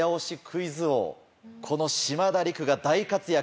クイズ王この嶋田陸来が大活躍。